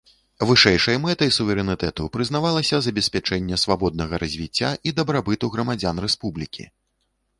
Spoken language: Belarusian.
Вышэйшай мэтай суверэнітэту прызнавалася забеспячэнне свабоднага развіцця і дабрабыту грамадзян рэспублікі.